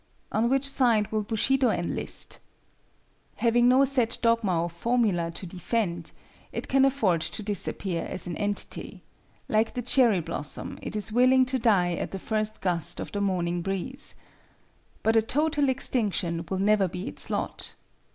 On which side will Bushido enlist? Having no set dogma or formula to defend, it can afford to disappear as an entity; like the cherry blossom, it is willing to die at the first gust of the morning breeze. But a total extinction will never be its lot.